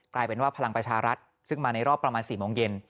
กลายเป็นว่าพลังประชารัฐซึ่งมาในรอบประมาณ๔โมงเย็น